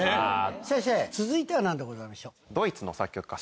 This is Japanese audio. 先生続いては何でございましょう？